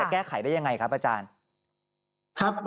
แก้ไขได้ยังไงครับอาจารย์